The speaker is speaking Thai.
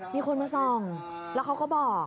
มีคนมาส่องแล้วเขาก็บอก